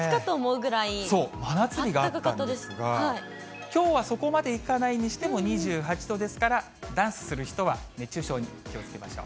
そう、真夏日があったんですが、きょうはそこまでいかないにしても、２８度ですから、ダンスする人は熱中症に気をつけましょう。